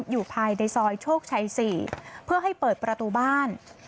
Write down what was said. อยู่ภายในซอยโชคชัย๔เพื่อให้เปิดประตูบ้าน